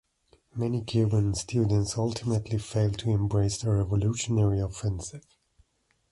Many Cuban students ultimately failed to embrace the Revolutionary Offensive.